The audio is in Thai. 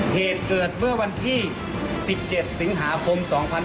เหตุเกิดเมื่อวันที่๑๗สิงหาคม๒๕๖๒